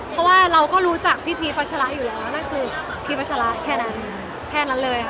เพราะว่าเราก็รู้จักพี่พีชพัชระอยู่แล้วนั่นคือพีชพัชระแค่นั้นแค่นั้นเลยค่ะ